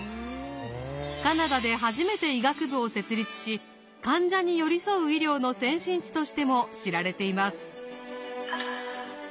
カナダで初めて医学部を設立し患者に寄り添う医療の先進地としても知られています。